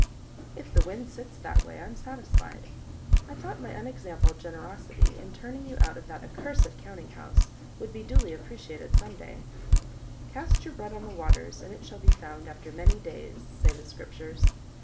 "If the wind sits that way, I'm satisfied. I thought my unexampled generosity in turning you out of that accursed counting house would be duly appreciated some day: 'Cast your bread on the waters, and it shall be found after many days,' say the Scriptures.